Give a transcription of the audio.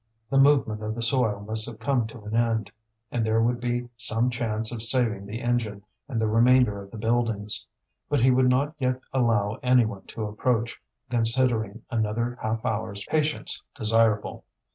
The movement of the soil must have come to an end, and there would be some chance of saving the engine and the remainder of the buildings. But he would not yet allow any one to approach, considering another half hour's patience desirable.